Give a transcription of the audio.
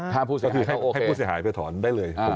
ถ้าผู้เสียหายก็โอเคคือให้ผู้เสียหายไปถอนได้เลย